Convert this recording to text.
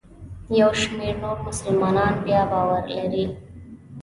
یو شمېر نور مسلمانان بیا باور لري.